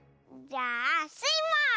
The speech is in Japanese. じゃあスイも！